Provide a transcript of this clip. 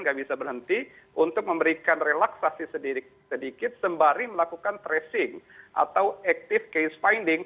nggak bisa berhenti untuk memberikan relaksasi sedikit sembari melakukan tracing atau active case finding